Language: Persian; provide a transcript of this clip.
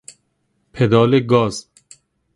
پدال گاز